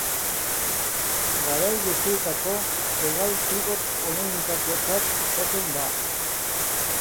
Garai guztietako hegal-pibot onenetakotzat jotzen da.